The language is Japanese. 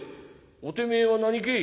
おてめえは何け？」。